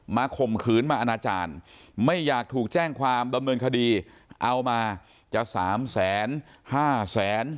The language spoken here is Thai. ข่มขืนมาอนาจารย์ไม่อยากถูกแจ้งความดำเนินคดีเอามาจะสามแสนห้าแสน